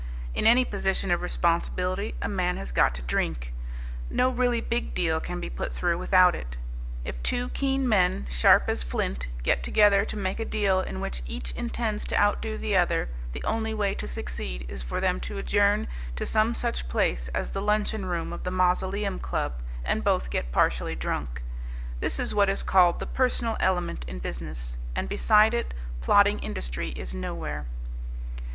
In any position of responsibility a man has got to drink. No really big deal can be put through without it. If two keen men, sharp as flint, get together to make a deal in which each intends to outdo the other, the only way to succeed is for them to adjourn to some such place as the luncheon room of the Mausoleum Club and both get partially drunk. This is what is called the personal element in business. And, beside it, plodding industry is nowhere.